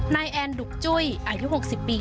นายแอนดุกจุ้ยอายุ๖๐ปี